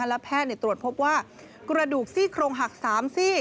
และแพทย์ตรวจพบว่ากระดูกซี่โครงหัก๓ซี่